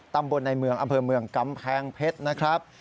ตำบลในเมืองอำเภอเมืองกำแพงเพชรนะครับ